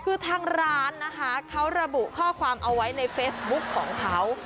คือทางร้านนะคะเขาระบุข้อความเอาไว้ในเฟซบุ๊คของเขา